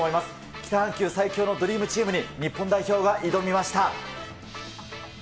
北半球最強のドリームチームに日本代表が挑みました。